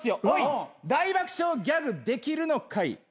おい大爆笑ギャグできるのかい。